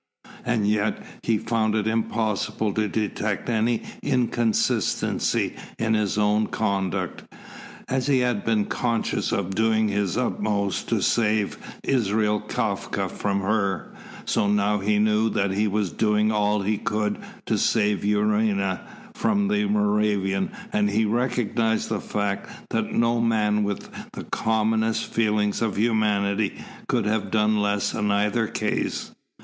And yet, he found it impossible to detect any inconsistency in his own conduct. As he had been conscious of doing his utmost to save Israel Kafka from her, so now he knew that he was doing all he could to save Unorna from the Moravian, and he recognised the fact that no man with the commonest feelings of humanity could have done less in either case.